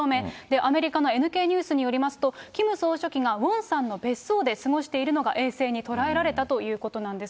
アメリカのＮＫニュースによりますと、キム総書記がウォンサンの別荘で過ごしているのが衛星に捉えられたということなんです。